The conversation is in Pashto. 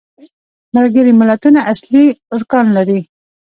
ملګري ملتونه اصلي ارکان لري.